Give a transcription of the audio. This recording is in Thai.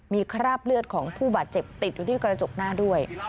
มีคราบเลือดของผู้บาดเจ็บติดอยู่ที่กระจกหน้าด้วย